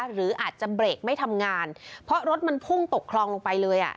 หรืออาจจะเบรกไม่ทำงานเพราะรถมันพุ่งตกคลองลงไปเลยอ่ะ